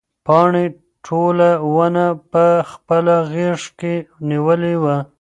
پاڼې ټوله ونه په خپله غېږ کې نیولې وه.